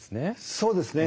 そうですね。